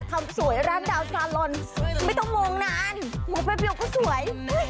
ทำสวยร้านดาวชาลอนไม่ต้องมองนานมองแป๊บเดียวก็สวย